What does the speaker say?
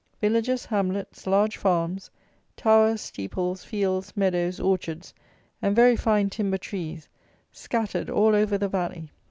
Villages, hamlets, large farms, towers, steeples, fields, meadows, orchards, and very fine timber trees, scattered all over the valley.